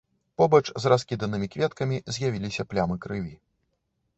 Побач з раскіданымі кветкамі з'явіліся плямы крыві.